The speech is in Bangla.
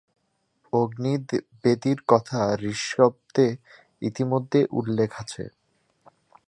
অগ্নি বেদীর কথা ঋগ্বেদে ইতিমধ্যেই উল্লেখ আছে।